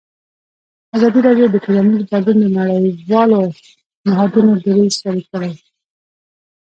ازادي راډیو د ټولنیز بدلون د نړیوالو نهادونو دریځ شریک کړی.